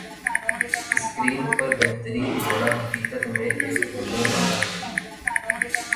screen پر بہترین جوڑا حقیقت میں ایک ہونے والا ہے